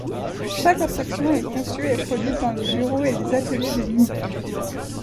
Chaque attraction est conçue et produite dans les bureaux et les ateliers de Munich.